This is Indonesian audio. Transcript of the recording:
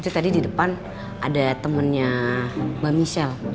itu tadi di depan ada temennya mbak michelle